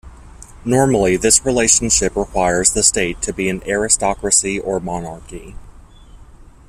Normally, this relationship requires the state to be an aristocracy or monarchy.